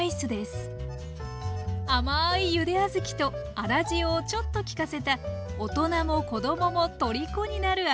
甘いゆで小豆と粗塩をちょっときかせた大人も子どももとりこになる味です。